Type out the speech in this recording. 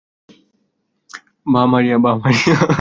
বাহ, মারিয়া!